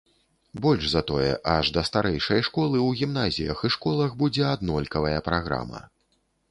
Больш за тое, аж да старэйшай школы ў гімназіях і школах будзе аднолькавая праграма.